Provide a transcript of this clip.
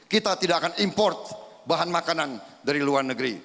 kita tidak akan import bahan makanan dari luar negeri